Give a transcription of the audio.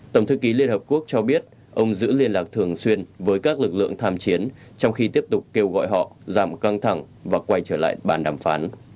tổng thư ký liên hợp quốc cho biết ông giữ liên lạc thường xuyên với các lực lượng tham chiến trong khi tiếp tục kêu gọi họ giảm căng thẳng và quay trở lại bàn đàm phán